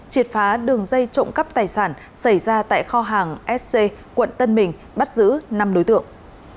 triệt phá đường dây trộm cắp tài sản xảy ra tại kho hàng sc quận tân bình bắt giữ năm đối tượng